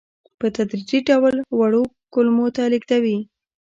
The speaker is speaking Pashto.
په تدریجي ډول وړو کولمو ته لېږدوي.